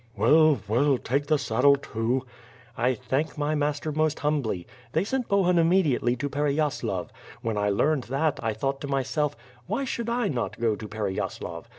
"Well,* well, take the saddle too." "I thank my master most humbly. They sent Bohum im mediately to Pereyasilav. AVhen I learned that, I thought to myself, 'Why should I not go to Pereyaslav?'